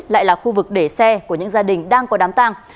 lại là khu vực để xe của những gia đình đang có đám tang